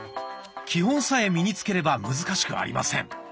基本さえ身につければ難しくありません。